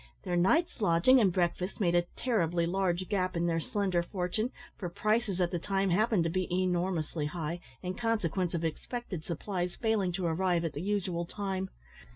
Their night's lodging and breakfast made a terribly large gap in their slender fortune, for prices at the time happened to be enormously high, in consequence of expected supplies failing to arrive at the usual time.